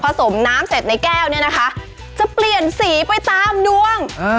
สมน้ำเสร็จในแก้วเนี่ยนะคะจะเปลี่ยนสีไปตามดวง